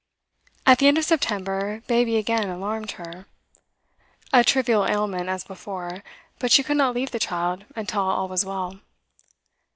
At the end of September baby again alarmed her. A trivial ailment as before, but she could not leave the child until all was well.